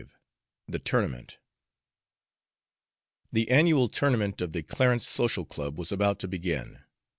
V THE TOURNAMENT The annual tournament of the Clarence Social Club was about to begin.